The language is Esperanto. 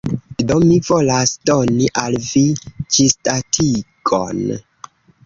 Do. Mi volas doni al vi ĝisdatigon